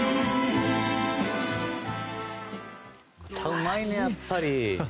うまいね、やっぱり。